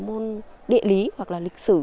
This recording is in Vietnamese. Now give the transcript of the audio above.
môn địa lý hoặc là lịch sử